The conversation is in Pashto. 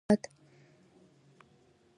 د یووالي او ورورولۍ هیواد.